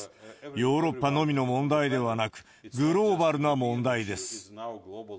ヨーロッパのみの問題ではなく、グローバルな問題です。